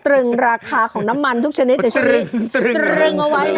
ตรึงราคาของน้ำมันทุกชนิดทุกชนิดตรึงตรึงตรึงตรึงตรึงตรึงตรึง